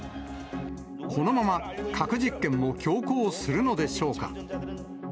このまま、核実験を強行するのでしょうか。